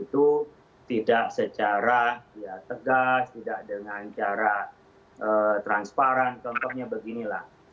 itu tidak secara tegas tidak dengan cara transparan contohnya beginilah